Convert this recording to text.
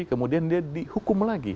kemudian dia dihukum lagi